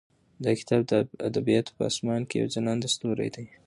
دا کتاب د ادبیاتو په اسمان کې یو ځلانده ستوری دی.